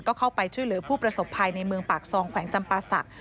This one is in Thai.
ก็เข้าไปช่วยเหลือผู้ประสบภัยในเมืองปากซองแขวงจำปาศักดิ